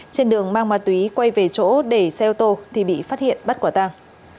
trên đường mang ma túy quay về chỗ để xe ô tô thì bị phát hiện bắt quả tàng